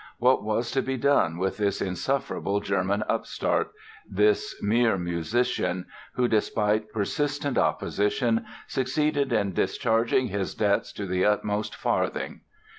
What was to be done with this insufferable German upstart, this mere musician, who despite persistent opposition succeeded in discharging his debts to the uttermost farthing?